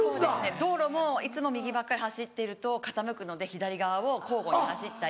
道路もいつも右ばっかり走っていると傾くので左側を交互に走ったり。